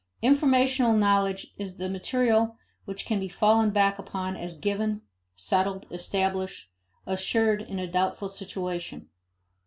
Informational knowledge is the material which can be fallen back upon as given, settled, established, assured in a doubtful situation.